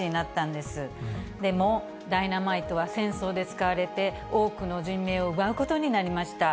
でも、ダイナマイトは戦争で使われて、多くの人命を奪うことになりました。